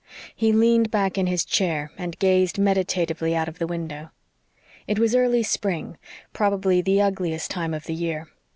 He leaned back in his chair and gazed meditatively out of the window. It was early spring probably the ugliest time of the year.